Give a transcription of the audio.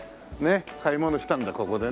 買い物したんだここでね。